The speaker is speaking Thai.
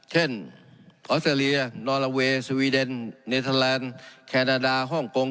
ออสเตรเลียนอลลาเวย์สวีเดนเนเทอร์แลนด์แคนาดาฮ่องกง